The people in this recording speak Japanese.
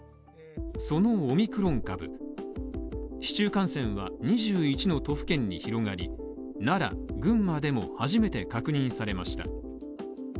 オミクロン株市中感染は２１の都府県に広がり奈良、群馬でも初めて確認されました。